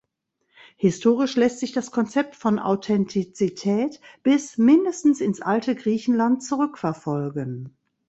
Historisch lässt sich das Konzept von Authentizität bis (mindestens) ins alte Griechenland zurückverfolgen.